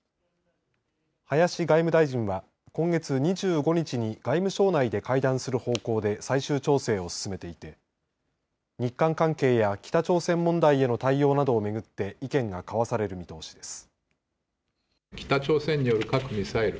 林外務大臣は今月２５日に外務省内で会談する方向で最終調整を進めていて日韓関係や北朝鮮問題への対応などをめぐって意見が交わされる見通しです。